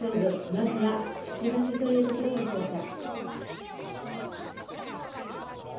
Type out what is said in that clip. まずは引き分けというところでしょうか。